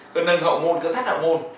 cơ nâng hậu môn cơ thắt hậu môn